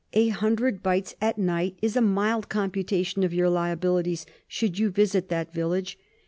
A hundred bites a night is a mild computation of your liabilities should you visit that village.